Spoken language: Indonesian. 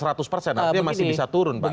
artinya masih bisa turun pak